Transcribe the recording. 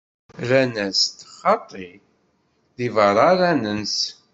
Rran-as-d: Xaṭi, di beṛṛa ara nens.